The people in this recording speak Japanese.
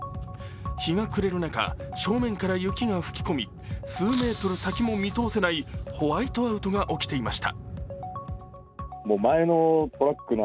日が暮れる中、正面から雪が吹き込み数メートル先も見通せないホワイトアウトが起きていました。